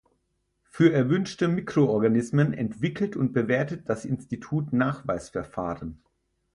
Für erwünschte Mikroorganismen entwickelt und bewertet das Institut Nachweisverfahren.